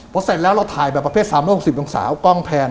พอเสร็จแล้วเราถ่ายแบบประเภท๓โลก๑๐องศากล้องแพน